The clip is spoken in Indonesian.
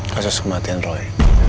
kasus kematian roy